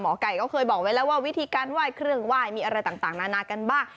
ไก่ก็เคยบอกไว้แล้วว่าวิธีการไหว้เครื่องไหว้มีอะไรต่างนานากันบ้าง